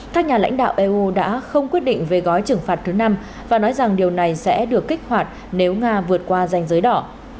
các nhà lãnh đạo eu đã không quyết định về gói trừng phạt thứ năm và nói rằng điều này sẽ được kích hoạt nếu nga vượt qua danh giới đỏ